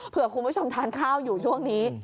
เพื่อคุณผู้ชมทานข้าวอยู่ช่วงนี้